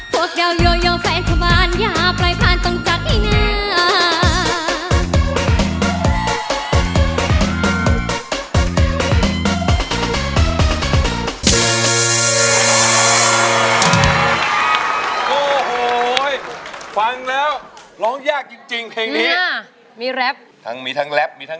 พวกเดี๋ยวยังเยอะแฟนของบ้านอย่าปล่อยผ่านตรงจากที่หน้า